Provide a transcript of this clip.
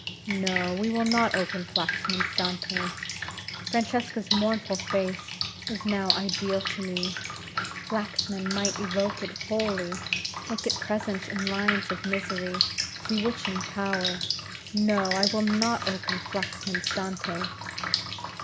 No, we will not open Flaxman's Dante. Francesca's mournful face is now ideal to me. Flaxman might evoke it wholly, make it present in lines of misery bewitching power. No! I will not open Flaxman's Dante!